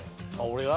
俺が？